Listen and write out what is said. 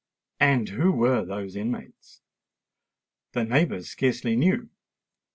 And who were those inmates? The neighbours scarcely knew.